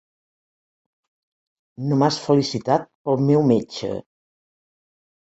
No m"has felicitat pel meu metge.